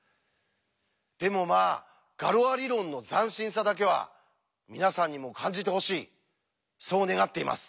でもまあガロア理論の斬新さだけは皆さんにも感じてほしいそう願っています。